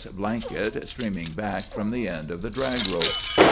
blanket streaming back from the end of the drag rope.